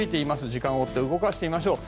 時間を追って動かしてみましょう。